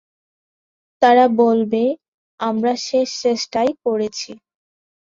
তারা বলবে, আমরা শেষ চেষ্টাটি করেছি।